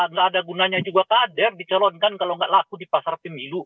nggak ada gunanya juga kader dicalonkan kalau nggak laku di pasar pemilu